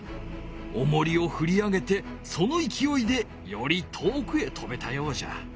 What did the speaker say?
おもりをふり上げてそのいきおいでより遠くへとべたようじゃ。